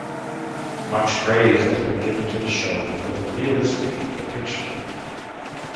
Much praise has been given to the show for the realistic depiction.